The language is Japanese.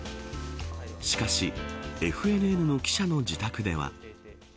しかしＦＮＮの記者の自宅では。